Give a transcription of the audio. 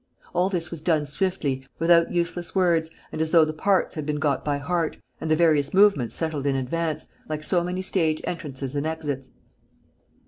All this was done swiftly, without useless words and as though the parts had been got by heart and the various movements settled in advance, like so many stage entrances and exits.